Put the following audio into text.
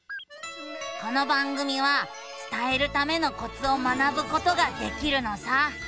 この番組は伝えるためのコツを学ぶことができるのさ。